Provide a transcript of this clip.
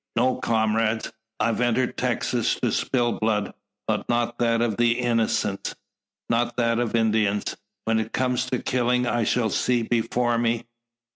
"No, comrades. I've entered Texas to spill blood, but not that of the innocent not that of Indians. When it comes to killing I shall see before me